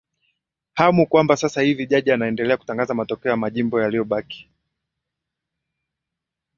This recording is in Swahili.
hamu kwamba sasa hivi jaji anaendelea kutangaza matokeo ya majimbo yalio baki